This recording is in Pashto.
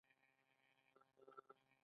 د ننګرهار تربوز وختي بازار ته راځي.